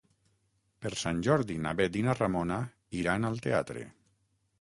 Per Sant Jordi na Bet i na Ramona iran al teatre.